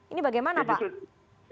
ini bagaimana pak